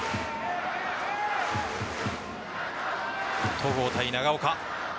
戸郷対長岡。